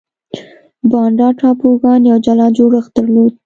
بانډا ټاپوګان یو جلا جوړښت درلود.